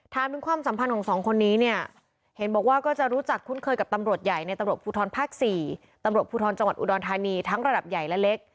ถามถึงความสัมพันธ์ของสองคนนี้เนี่ยเห็นบอกว่าก็จะรู้จักคุ้นเคยกับตำรวจใหญ่ในตำรวจภูทรภาค๔ตำรวจภูทรจังหวัดอุดรธานีทั้งระดับใหญ่และเล็ก